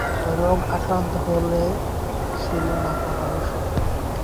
রোগে আক্রান্ত হলে ছিল না কোন ঔষধ।